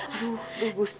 aduh aduh gusti